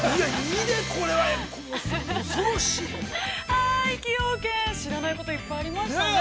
◆崎陽軒、知らないこといっぱいありましたね。